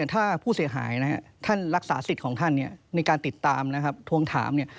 ท่านรักษาสิทธิ์ของท่านเนี่ยในการติดตามนะครับทวงถามเนี่ย